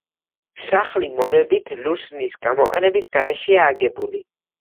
სახლი მორებით, ლურსმნის გამოყენების გარეშეა აგებული.